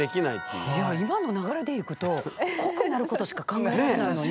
いや今の流れでいくと濃くなることしか考えられないのに。